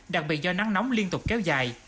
đặc biệt do nắng nóng liên tục kéo dài